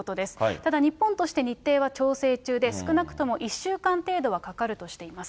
ただ、日本として日程は調整中で、少なくとも１週間程度はかかるとしています。